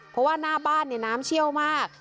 เพราะว่าหน้าบ้านน้ำเชี่ยวมาก